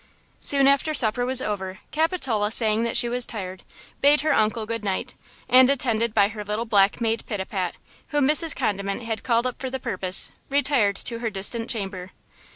Soon after supper was over Capitola, saying that she was tired, bade her uncle good night, and, attended by her little black maid Pitapat, whom Mrs. Condiment had called up for the purpose, retired to her distant chamber.